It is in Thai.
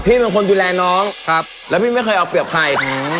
พี่เป็นคนดูแลน้องแล้วพี่ไม่เคยเอาเปรียบไข่